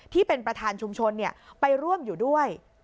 ที่เป็นประธานชุมชนไปร่วมอยู่ด้วย